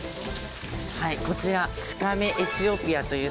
こちらチカメエチオピアという魚です。